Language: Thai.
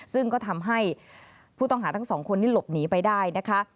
ซึ่งก็ทำให้ผู้ต้องหาทั้งสองคนนี้หลบหนีไปได้นะคะ